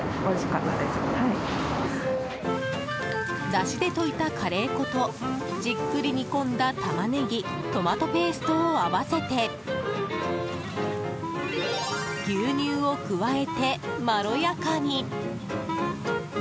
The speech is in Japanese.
だしで溶いたカレー粉とじっくり煮込んだタマネギトマトペーストを合わせて牛乳を加えて、まろやかに。